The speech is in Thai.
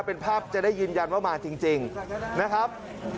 เป็นภาพจะได้ยืนยันว่ามาจริงนะครับ